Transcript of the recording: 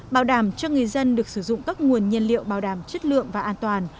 bảo đảm cho người dân được sử dụng các nguồn nhân liệu bảo đảm chất lượng và an toàn